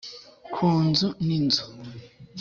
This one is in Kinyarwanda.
ku nzu n inzu